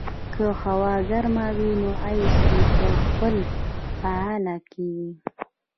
که هوا ګرمه وي، اې سي په خپله فعاله کېږي.